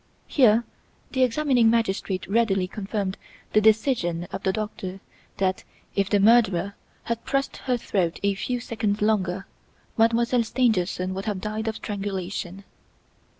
Here the examining magistrate readily confirmed the decision of the doctor that, if the murderer had pressed her throat a few seconds longer, Mademoiselle Stangerson would have died of strangulation.